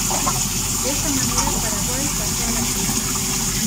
De esta manera Paraguay pasó a la final.